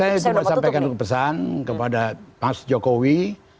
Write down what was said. saya cuma sampaikan pesan kepada mas jokowi